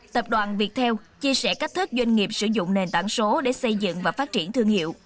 tập đoàn viettel chia sẻ cách thức doanh nghiệp sử dụng nền tảng số để xây dựng và phát triển thương hiệu